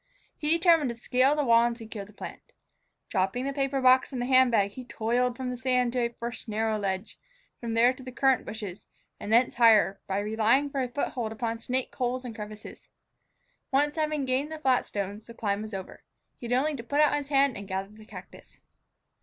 He determined to scale the wall and secure the plant. Dropping the paper box and the hand bag, he toiled from the sand to a first narrow ledge, from there to the currant bushes, and thence higher, by relying for a foothold upon snake holes and crevices. Once having gained the flat stones, the climb was over. He had only to put out his hand and gather the cactus.